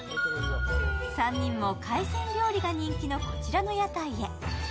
３人も海鮮料理が人気のこちらの屋台へ。